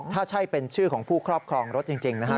ถ้าใช่เป็นชื่อของผู้ครอบครองรถจริงนะฮะ